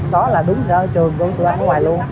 đó là đứng ở trường của tụi anh ở ngoài luôn